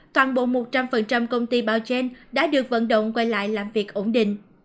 toàn bộ một trăm linh công ty bao chen đã được vận động quay lại làm việc ổn định